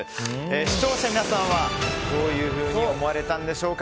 視聴者の皆さんはどういうふうに思われたんでしょうか。